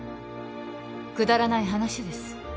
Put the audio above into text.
くだらない話です